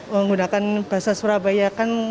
menggunakan bahasa surabaya kan